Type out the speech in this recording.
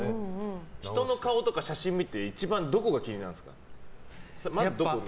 人の顔とか写真を見て一番どこが気になるんですか。